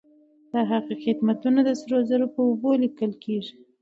د هغه خدمتونه د سرو زرو په اوبو ليکل کيږي.